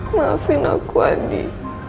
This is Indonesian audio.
maafin aku andi